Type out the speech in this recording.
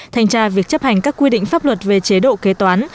thanh tra việc chấp hành các quy định pháp luật về chế độ kế toán